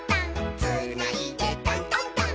「つーないでタントンタン」